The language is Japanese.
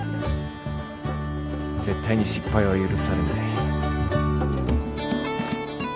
絶対に失敗は許されない。